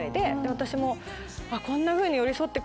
私も。